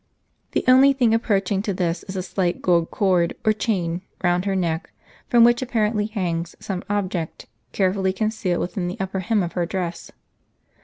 The only thing approaching to this is a slight gold cord or chain round her neck, from which apparently hangs some ob ject, carefully concealed within the upper hem of her dress.